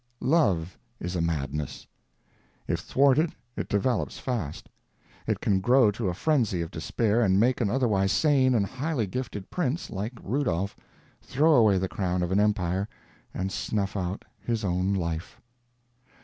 Love is a madness; if thwarted it develops fast; it can grow to a frenzy of despair and make an otherwise sane and highly gifted prince, like Rudolph, throw away the crown of an empire and snuff out his own life.